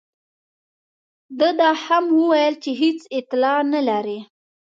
ده دا هم وویل چې هېڅ اطلاع نه لري.